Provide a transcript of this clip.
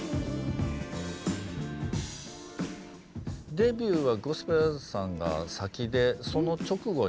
デビューはゴスペラーズさんが先でその直後に。